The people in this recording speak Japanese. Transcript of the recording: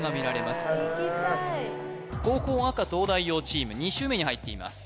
行きたい後攻赤東大王チーム２周目に入っています